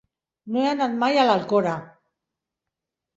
No he anat mai a l'Alcora.